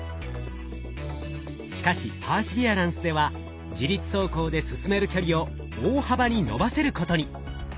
しかしパーシビアランスでは自律走行で進める距離を大幅に延ばせることに。